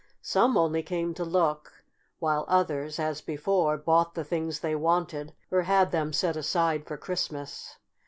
Some only came to look, while others, as before, bought the things they wanted, or had them set aside for Christmas.